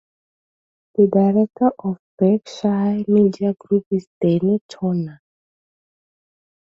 The Director of Berkshire Media Group is Dene Tonna.